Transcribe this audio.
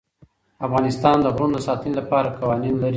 افغانستان د غرونه د ساتنې لپاره قوانین لري.